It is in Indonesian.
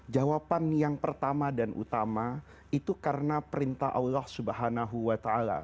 jawaban yang pertama dan utama itu karena perintah allah swt